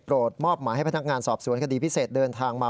มอบหมายให้พนักงานสอบสวนคดีพิเศษเดินทางมา